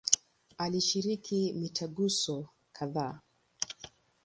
Alishiriki mitaguso kadhaa.